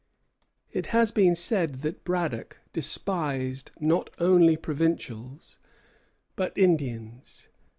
It has been said that Braddock despised not only provincials, but Indians.